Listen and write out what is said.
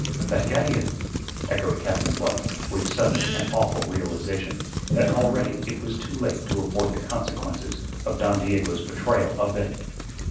"That galleon!" echoed Captain Blood with sudden and awful realization that already it was too late to avoid the consequences of Don Diego's betrayal of them.